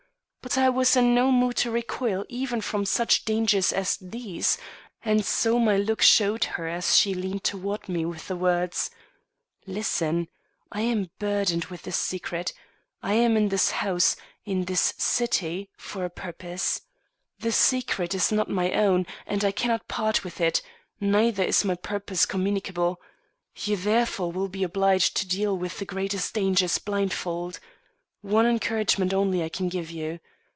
But I was in no mood to recoil even from such dangers as these, and so my look showed her as she leaned toward me with the words: "Listen! I am burdened with a secret. I am in this house, in this city, for a purpose. The secret is not my own and I cannot part with it; neither is my purpose communicable. You therefore will be obliged to deal with the greatest dangers blindfold. One encouragement only I can give you.